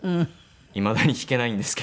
いまだに弾けないんですけど。